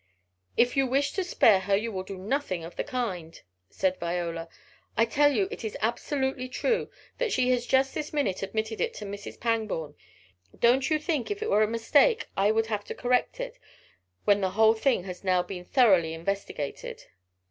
"If you wish to spare her you will do nothing of the kind," said Viola. "I tell you it is absolutely true. That she has just this minute admitted it to Mrs. Pangborn. Don't you think if it were a mistake I would have to correct it, when the thing has now been thoroughly investigated?"